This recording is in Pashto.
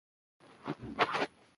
د خدای مخلوق ته خدمت وکړئ.